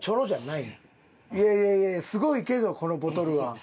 いやいやいやいやすごいけどこのボトルは。